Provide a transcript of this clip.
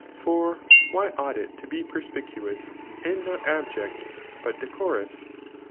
For why ought it to be perspicuous, and not abject, but decorous